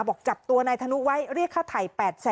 บอกจับตัวนายธนุไว้เรียกค่าไถ่๘๐๐๐